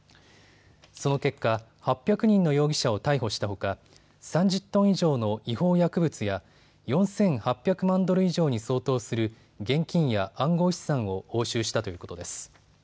その結果、８００人の容疑者を逮捕したほか３０トン以上の違法薬物や４８００万ドル以上に相当する現金や暗号資産を押収したということです。